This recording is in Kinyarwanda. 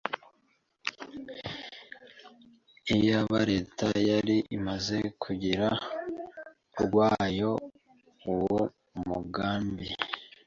Iyaba leta yari imaze kugira rwayo uwo mugambi